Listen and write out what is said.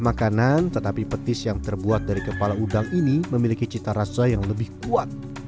makanan tetapi petis yang terbuat dari kepala udang ini memiliki cita rasa yang lebih kuat